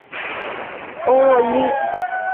欧络因。